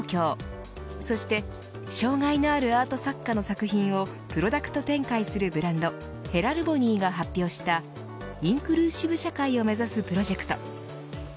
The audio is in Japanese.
そして、障害のあるアート作家の作品をプロダクト展開するブランドヘラルボニーが発表したインクルーシブ社会を目指すプロジェクト。